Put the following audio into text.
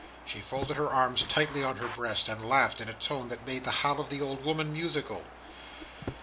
She folded her arms tightly on her breast, and laughed in a tone that made the howl of the old woman musical.